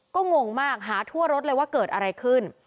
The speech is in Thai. ก็งงมากหาทั่วรถเลยว่าเกิดอะไรขึ้น